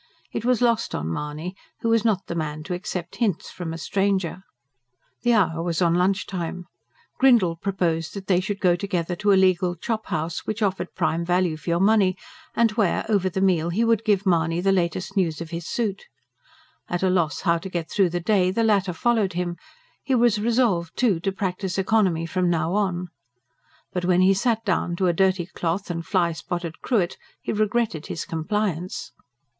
It was lost on Mahony, who was not the man to accept hints from a stranger. The hour was on lunch time; Grindle proposed that they should go together to a legal chop house, which offered prime value for your money, and where, over the meal, he would give Mahony the latest news of his suit. At a loss how to get through the day, the latter followed him he was resolved, too, to practise economy from now on. But when he sat down to a dirty cloth and fly spotted cruet he regretted his compliance.